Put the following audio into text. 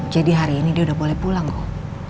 jadi hari ini dia udah boleh pulang goh